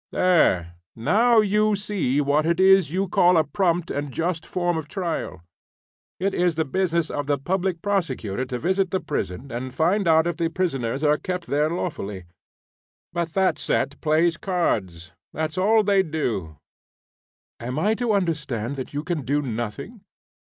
"There, now, you see what it is you call a prompt and just form of trial. It is the business of the Public Prosecutor to visit the prison and to find out if the prisoners are kept there lawfully. But that set play cards; that's all they do." "Am I to understand that you can do nothing?"